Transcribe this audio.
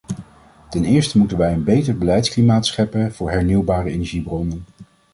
Ten eerste moeten wij een beter beleidsklimaat scheppen voor hernieuwbare energiebronnen.